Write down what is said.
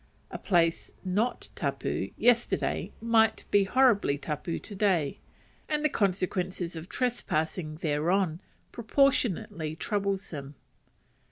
A place not tapu yesterday might be most horribly tapu to day, and the consequences of trespassing thereon proportionately troublesome.